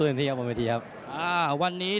ในพจนานุกรมของนักมวยท่านนี้